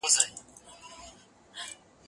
زه اوس د کتابتوننۍ سره مرسته کوم!؟